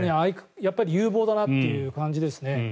やっぱり有望だなという感じですね。